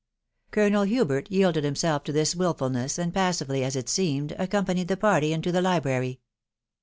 Colonel Hubert yielded himself to this wilfulness, and pas sively, as it seemed, accompanied the party into the library.